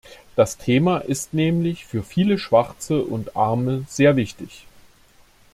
Das Thema ist nämlich für viele Schwarze und Arme sehr wichtig.